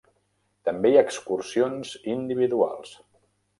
També hi ha excursions individuals.